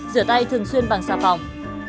rửa tay thường xuyên bằng xà phòng